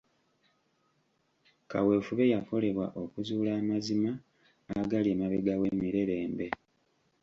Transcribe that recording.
Kaweefube yakolebwa okuzuula amazima agali emabega w'emirerembe.